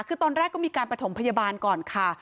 คือตอนแรกก็มีการประถมพยาบาลก่อนค่ะ